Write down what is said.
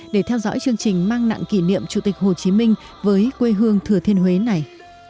để theo dõi chương trình mang nặng kỷ niệm chủ tịch hồ chí minh với quê hương thừa thiên huế này